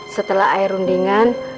setelah air rundingan